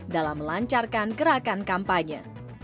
dalam melancarkan gerakan kampanye